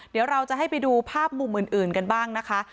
เดี๋ยวเราจะให้ไปดูภาพมุมอื่นกันบ้างนะคะ